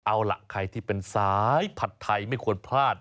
เอาล่ะใครที่เป็นสายผัดไทยไม่ควรพลาด